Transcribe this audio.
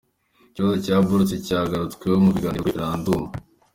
Ikibazo cya buruse cyagarutsweho mu biganiro kuri referendumu.